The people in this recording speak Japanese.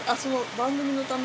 番組のため？